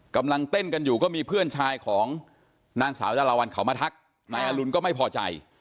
กำลังเต้นกันอยู่ก็มีเพื่อนชายของนางสาวดาราวันเขามาทักนายอรุณก็ไม่พอใจ